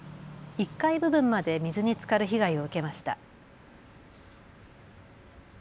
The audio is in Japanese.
１階部分まで水につかる被害を受けました。